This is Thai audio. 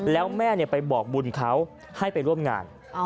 แล้วแม่ไปบอกบุญเขาให้ไปร่วมงาน